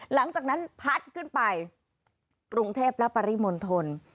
หลังจากนั้นพัดขึ้นไปกรุงเทพและปริมณฑล